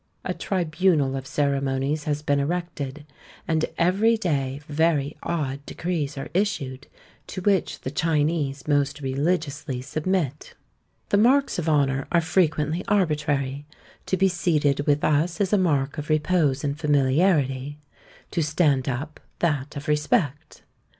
A tribunal of ceremonies has been erected; and every day very odd decrees are issued, to which the Chinese most religiously submit. The marks of honour are frequently arbitrary; to be seated with us is a mark of repose and familiarity; to stand up, that of respect.